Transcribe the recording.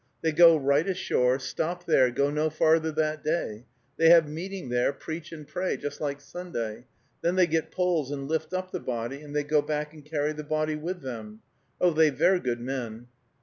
They go right ashore, stop there, go no farther that day, they have meeting there, preach and pray just like Sunday. Then they get poles and lift up the body, and they go back and carry the body with them. Oh, they ver good men."